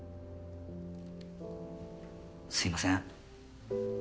すいません。